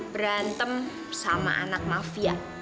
berantem sama anak mafia